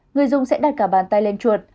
người dùng sẽ đặt cả bàn tay lên chuột